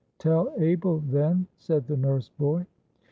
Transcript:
Tell Abel, then," said the nurse boy.